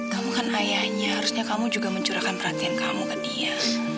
kamu kan ayahnya harusnya kamu juga mencurahkan perhatian kamu ke dia